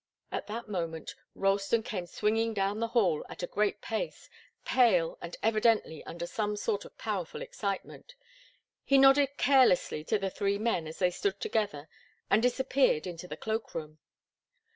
At that moment Ralston came swinging down the hall at a great pace, pale and evidently under some sort of powerful excitement. He nodded carelessly to the three men as they stood together and disappeared into the cloak room.